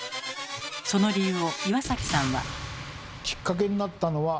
その理由を岩崎さんは。